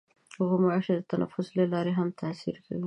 غوماشې د تنفس له لارې هم تاثیر کوي.